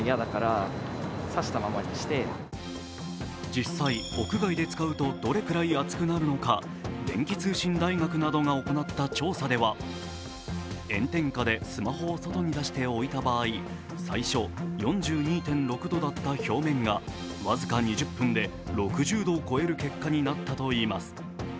実際、屋外で使うとどれぐらい熱くなるのか電気通信大学などが行った調査では炎天下でスマホを外に出して置いた場合、最初４２．６度だった表面が僅か２０分で６０度を超える結果になったといいます。